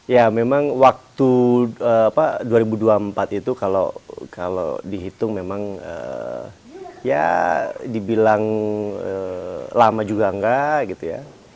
ya memang waktu dua ribu dua puluh empat itu kalau dihitung memang ya dibilang lama juga enggak gitu ya